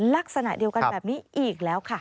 ลักษณะเดียวกันแบบนี้อีกแล้วค่ะ